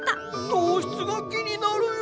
糖質が気になるよ！